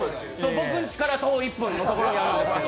僕んちから徒歩１分のところにあるんです。